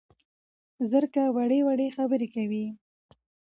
زرکه وړې وړې خبرې کوي